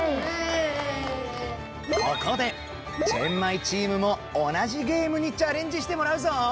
ここでチェンマイチームも同じゲームにチャレンジしてもらうぞ。